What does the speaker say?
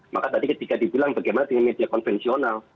maka tadi ketika dibilang bagaimana dengan media konvensional